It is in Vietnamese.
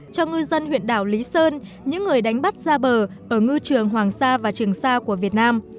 cho ngư dân huyện đảo lý sơn những người đánh bắt ra bờ ở ngư trường hoàng sa và trường sa của việt nam